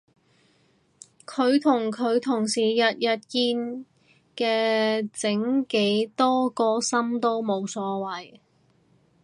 佢同佢同事日日見嘅整幾多個心都冇所謂